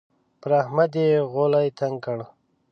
پر احمد يې غولی تنګ کړ.